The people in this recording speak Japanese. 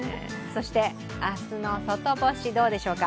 そして、明日の外干しどうでしょうか？